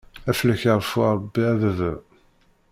Ad fell-ak yeɛfu rebbi a baba.